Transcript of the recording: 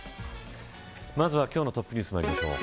まずは今日のトップニュースまいりましょう。